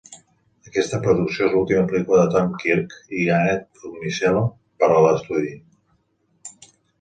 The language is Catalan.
Aquesta producció és l'última pel·lícula de Tommy Kirk i Annette Funicello per a l'estudi.